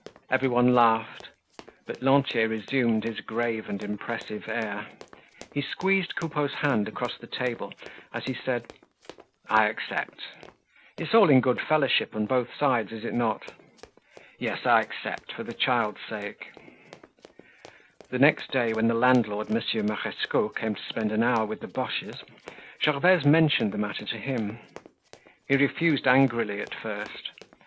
Everyone laughed. But Lantier resumed his grave and impressive air. He squeezed Coupeau's hand across the table as he said: "I accept. It's in all good fellowship on both sides, is it not? Yes, I accept for the child's sake." The next day when the landlord, Monsieur Marescot, came to spend an hour with the Boches, Gervaise mentioned the matter to him. He refused angrily at first.